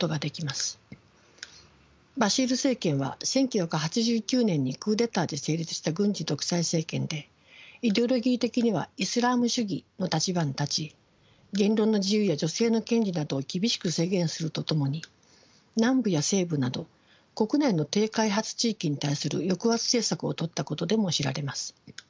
バシール政権は１９８９年にクーデターで成立した軍事独裁政権でイデオロギー的にはイスラーム主義の立場に立ち言論の自由や女性の権利などを厳しく制限するとともに南部や西部など国内の低開発地域に対する抑圧政策をとったことでも知られます。